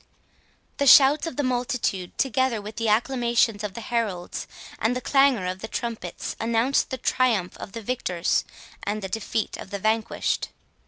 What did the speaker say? The shouts of the multitude, together with the acclamations of the heralds, and the clangour of the trumpets, announced the triumph of the victors and the defeat of the vanquished.